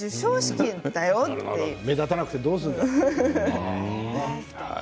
目立たなくてどうするんだって。